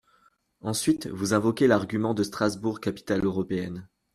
Ensuite, vous invoquez l’argument de Strasbourg capitale européenne.